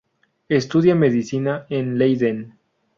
Estudia medicina en Leiden.